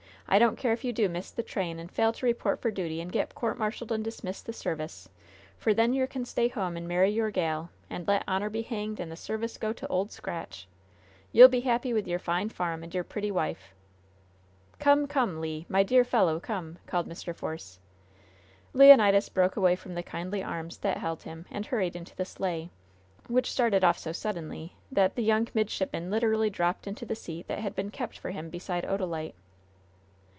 I don't care if you do miss the train and fail to report for duty and get court martialed and dismissed the service; for then yer can stay home and marry your gal and let honor be hanged and the service go to Old Scratch! You'll be happy with your fine farm and your pretty wife." "Come, come, Le! My dear fellow, come!" called Mr. Force. Leonidas broke away from the kindly arms that held him and hurried into the sleigh, which started off so suddenly that the young midshipman literally dropped into the seat that had been kept for him beside Odalite.